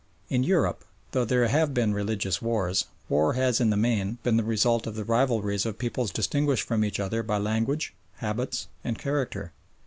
In Europe, though there have been religious wars, war has in the main been the result of the rivalries of peoples distinguished from each other by language, habits, and character.